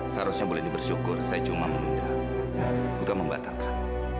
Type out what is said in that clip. seharusnya bu leni bersyukur saya cuma menunda bukan membatalkan